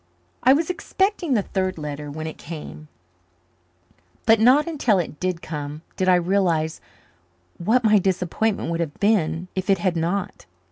I was expecting the third letter when it came but not until it did come did I realize what my disappointment would have been if it had not.